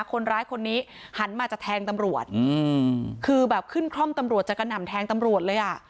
คนร้ายคนนี้หันมาจะแทงตำรวจอืมคือแบบขึ้นคล่อมตำรวจจะกระหน่ำแทงตำรวจเลยอ่ะ